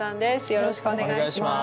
よろしくお願いします。